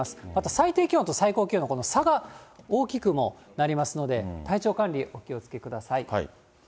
最低気温と最高気温のこの差が大きくもなりますので、体調管理、お気をつけください。